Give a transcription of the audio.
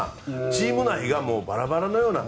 チーム内がバラバラのような。